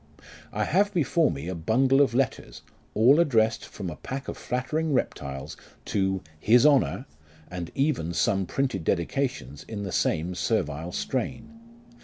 I have before me a bundle of letters, all addressed from a pack of flattering reptiles, to "his Honour," and even some printed dedications in the same servile strain.